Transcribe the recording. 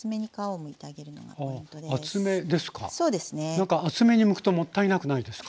何か厚めにむくともったいなくないですか？